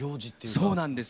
そうなんです。